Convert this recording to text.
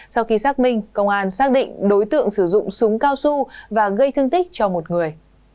sau khi xác minh công an xác định đối tượng sử dụng súng cao su và gây thương tích cho một người